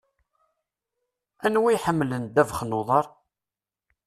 Anwa i iḥemmlen ddabex n uḍaṛ?